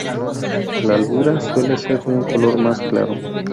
La albura suele ser de un color más claro.